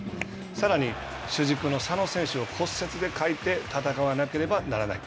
さらに主軸の佐野選手を骨折で欠いて、戦わなければならない。